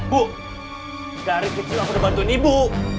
bu dari kecil aku udah bantuin ibu